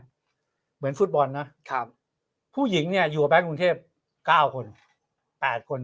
เหมือนฟุตบอลนะครับผู้หญิงเนี่ยอยู่กับแก๊งกรุงเทพ๙คน๘คน